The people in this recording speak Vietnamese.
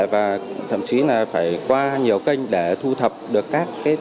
và thậm chí là phải qua nhiều kênh để thu thập được các tài liệu